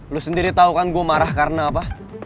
lo sendiri tau kan gue marah karena apa